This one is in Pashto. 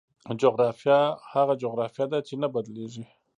جغرافیه هغه جغرافیه ده چې نه بدلېږي.